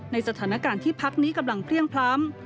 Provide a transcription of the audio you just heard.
ในสถานการณ์ที่พักนี้กำลังเพลี่ยงพล้ำ